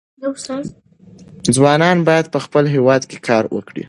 ځوانان باید په خپل هېواد کې کار وکړي.